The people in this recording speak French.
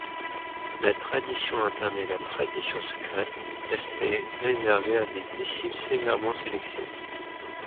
La tradition interne et la tradition secrète restaient réservées à des disciples sévèrement sélectionnés.